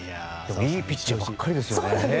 いいピッチングばっかりですよね。